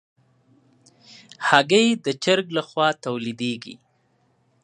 هګۍ د چرګ له خوا تولیدېږي.